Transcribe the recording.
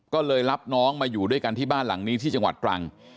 ก็เลยรับน้องมาอยู่ด้วยกันที่บ้านหลังนี้ที่จังหวัดตรัง